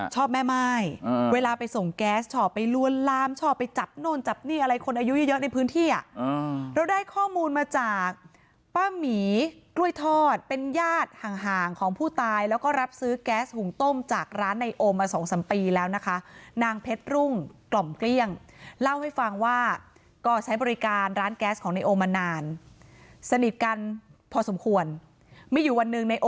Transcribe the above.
แม่ม่ายเวลาไปส่งแก๊สชอบไปลวนลามชอบไปจับโน่นจับนี่อะไรคนอายุเยอะในพื้นที่อ่ะเราได้ข้อมูลมาจากป้าหมีกล้วยทอดเป็นญาติห่างห่างของผู้ตายแล้วก็รับซื้อแก๊สหุงต้มจากร้านในโอมาสองสามปีแล้วนะคะนางเพชรรุ่งกล่อมเกลี้ยงเล่าให้ฟังว่าก็ใช้บริการร้านแก๊สของในโอมานานสนิทกันพอสมควรมีอยู่วันหนึ่งในโอ